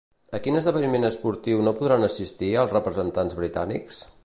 A quin esdeveniment esportiu no podran assistir alts representants britànics?